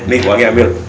nih uangnya ambil